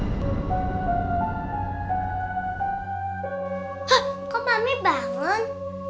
hah kok mami bangun